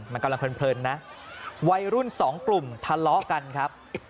มันกำลังเพลินนะวัยรุ่นสองกลุ่มทะเลาะกันครับ